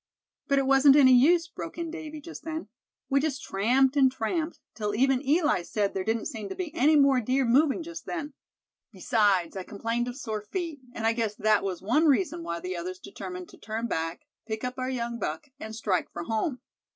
"But it wasn't any use," broke in Davy just then. "We just tramped and tramped till even Eli said there didn't seem to be any more deer moving just then. Besides, I complained of sore feet; and I guess that was one reason why the others determined to turn back, pick up our young buck, and strike for home."